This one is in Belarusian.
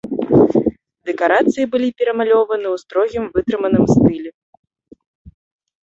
Дэкарацыі былі перамалёваны ў строгім вытрыманым стылі.